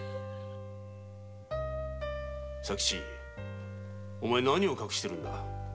佐吉お前何を隠しているんだ？